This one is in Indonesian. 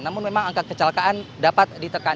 namun memang angka kecelakaan dapat ditekan